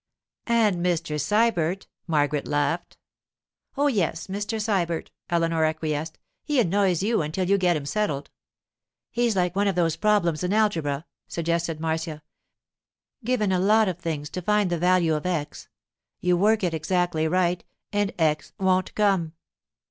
'And Mr. Sybert,' Margaret laughed. 'Oh, yes, Mr. Sybert,' Eleanor acquiesced. 'He annoys you until you get him settled.' 'He's like one of those problems in algebra,' suggested Marcia. 'Given a lot of things, to find the value of x. You work it exactly right and x won't come.